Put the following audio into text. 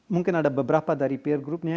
mungkin ada beberapa dari peer groupnya